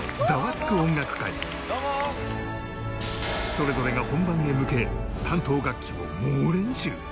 それぞれが本番へ向け担当楽器を猛練習